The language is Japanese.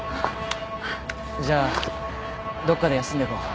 じゃあどっかで休んでいこう。